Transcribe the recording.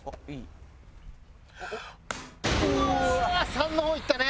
３の方いったね。